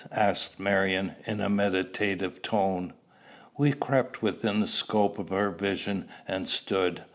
asked Marion in a meditative tone. We crept within the scope of her vision, and stood.